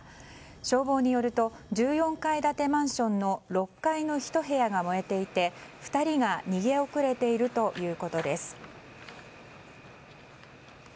消防によると１４階建てマンションの６階の１部屋が燃えていて２人が逃げ遅れているということです。